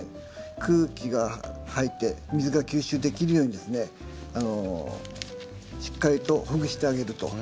空気が入って水が吸収できるようにですねしっかりとほぐしてあげるということです。